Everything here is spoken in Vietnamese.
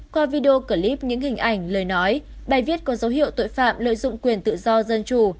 qua video clip những hình ảnh lời nói bài viết có dấu hiệu tội phạm lợi dụng quyền tự do dân chủ